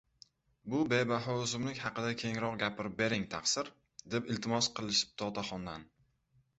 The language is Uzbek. “Bu bebaho oʻsimlik haqida kengroq gapirib bering, taqsir”, deb iltimos qilishibdi otaxondan.